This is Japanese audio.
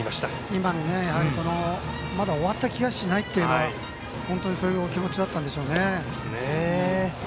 今のまだ終わった気がしないというのが本当にそういうお気持ちだったんでしょうね。